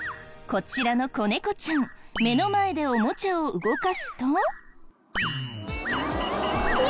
こちらの子猫ちゃん目の前でおもちゃを動かすと。